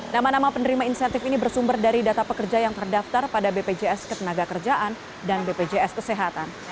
nama nama penerima insentif ini bersumber dari data pekerja yang terdaftar pada bpjs ketenaga kerjaan dan bpjs kesehatan